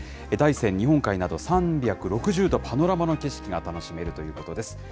大山、日本海など３６０度パノラマの景色が楽しめるということです。